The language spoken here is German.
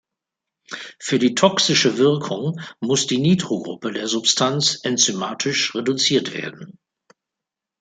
Für die toxische Wirkung muss die Nitrogruppe der Substanz enzymatisch reduziert werden.